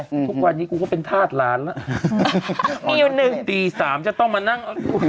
ทุกวันนี้กูก็เป็นทาสหลานละมีอาทิตย์นึงตีสามจะต้องมานั่ง